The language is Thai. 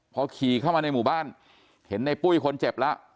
พอขี่เข้ามาในหมู่บ้านเห็นในปุ้ยคนเจ็บแล้ว